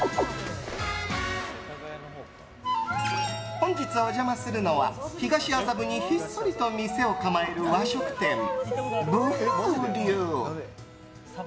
本日お邪魔するのは、東麻布にひっそりと店を構える和食店不風流。